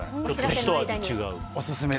ひと味違う。